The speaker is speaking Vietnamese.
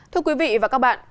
thưa quý vị và các bạn